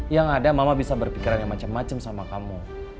yang ada mama bisa berpikiran yang macam macam sama kamu